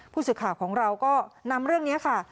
ผู้สื่อข่าวของเราก็นำเรื่องนี้ค่ะ